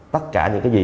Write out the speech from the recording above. tất cả những cái gì